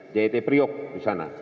jit priok di sana